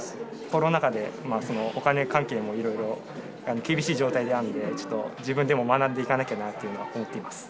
コロナ禍で、お金関係もいろいろ厳しい状態なので、ちょっと自分でも学んでいかなきゃなと思っています。